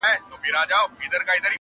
وې نارې د جاله وان شور د بلبلو،